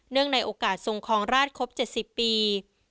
ในโอกาสทรงครองราชครบ๗๐ปี